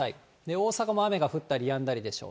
大阪は雨が降ったりやんだりでしょう。